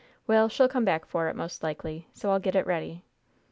Well, she'll come back for it, most likely, so I'll get it ready.